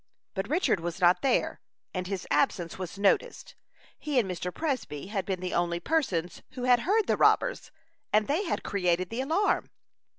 But Richard was not there, and his absence was noticed. He and Mr. Presby had been the only persons who had heard the robbers, and they had created the alarm.